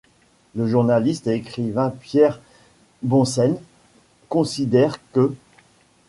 Le journaliste et écrivain Pierre Boncenne considère qu'.